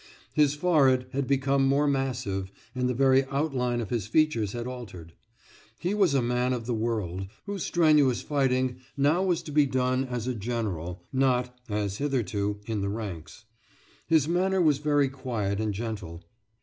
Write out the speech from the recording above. His forehead had become more massive, and the very outline of his features had altered. He was a man of the world, whose strenuous fighting now was to be done as a general not, as hitherto, in the ranks. His manner was very quiet and gentle.